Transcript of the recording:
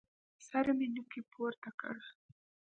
سر مې نوکى پورته کړ.